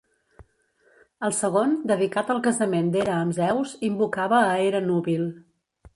El segon, dedicat al casament d'Hera amb Zeus, invocava a Hera núbil.